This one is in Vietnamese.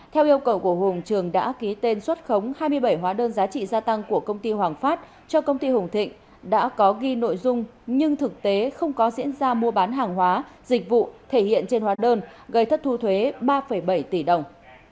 theo yêu cầu của hùng trường đã ký tên xuất khống hai mươi bảy hóa đơn giá trị gia tăng của công ty hoàng phát cho công ty hùng thịnh đã có ghi nội dung nhưng thực tế không có diễn ra mua bán hàng hóa dịch vụ thể hiện trên hóa đơn gây thất thu thuế ba bảy tỷ đồng